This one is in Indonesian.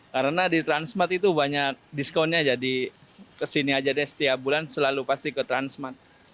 karena di transmart itu banyak diskonnya jadi kesini aja deh setiap bulan selalu pasti ke transmart